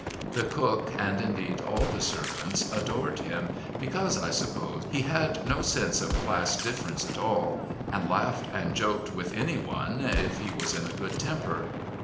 The cook and, indeed, all the servants adored him because, I suppose, he had no sense of class difference at all and laughed and joked with any one if he was in a good temper.